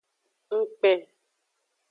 Ngkpen.